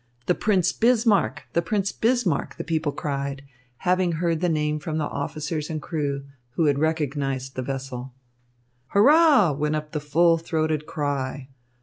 "The Prince Bismarck, the Prince Bismarck!" the people cried, having heard the name from the officers and crew, who had recognised the vessel. "Hurrah!" went up the full throated cry.